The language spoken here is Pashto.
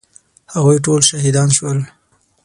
هغوی ټول شهیدان شول.